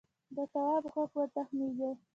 د تواب غوږ وتخڼېد.